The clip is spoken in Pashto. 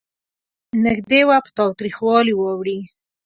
نږدې وه په تاوتریخوالي واوړي.